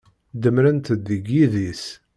Demmrent-d deg yidis.